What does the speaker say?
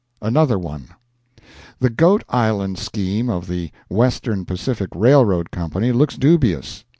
Another One. The Goat Island scheme of the Western Pacific Railroad Company looks dubious.